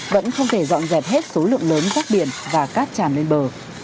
vẫn không thể dọn dẹp hết số lượng lớn rác biển và cát tràn lên bờ